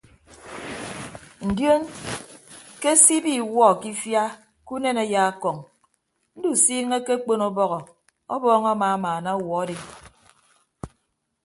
Ndion ke se ibi iwuọ ke ifia ke unen ayaakọñ ndusiiñe akekpon ọbọhọ ọbọọñ amamaana ọwuọ adi.